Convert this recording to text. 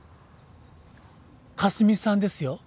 かすみさんですよ。